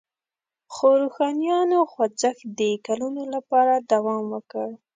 خو روښانیانو خوځښت د کلونو لپاره دوام وکړ.